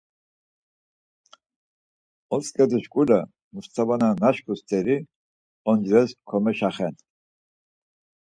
Otzǩedu şkule Mustava na naşku steri oncires komeşaxen.